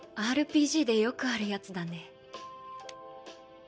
ＲＰＧでよくあるやつだね。